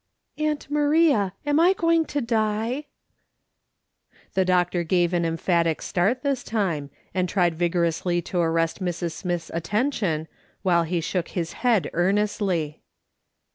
" Aunt Maria, am I going to die ?" The doctor gave an emphatic start this time, and tried vigorously to arrest Mrs. Smith's attention, while he shook his head earnestly.